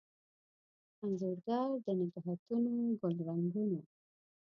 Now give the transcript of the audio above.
انځورګر دنګهتونوګل رنګونو